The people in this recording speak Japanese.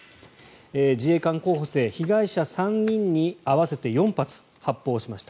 自衛官候補生、被害者３人に合わせて４発発砲しました。